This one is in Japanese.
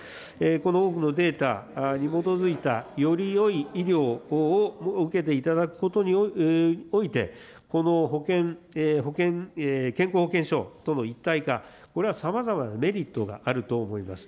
この多くのデータに基づいた、よりよい医療を受けていただくことにおいて、この健康保険証との一体化、これはさまざまなメリットがあると思います。